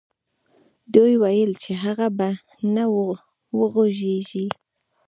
دوی ويل چې هغه به نه وغږېږي.